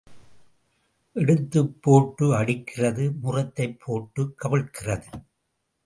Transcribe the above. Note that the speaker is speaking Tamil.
எடுத்துப் போட்டு அடிக்கிறது முறத்தைப் போட்டுக் கவிழ்க்கிறது.